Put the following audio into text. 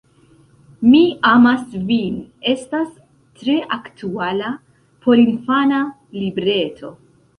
Mi amas vin estas tre aktuala porinfana libreto.